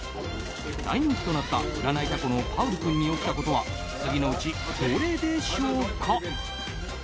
大人気となった占いタコのパウル君に起きたことは次のうちどれでしょうか。